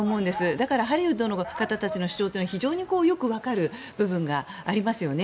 だからハリウッドの方たちの主張は非常によくわかる部分がありますよね。